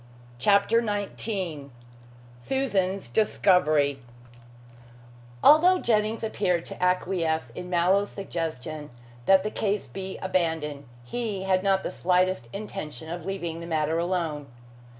CHAPTER XIX SUSAN'S DISCOVERY Although Jennings appeared to acquiesce in Mallow's suggestion that the case should be abandoned, he had not the slightest intention of leaving the matter alone.